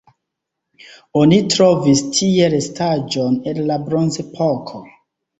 Oni trovis tie restaĵon el la bronzepoko.